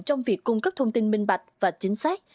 trong việc cung cấp thông tin minh bạch và chính xác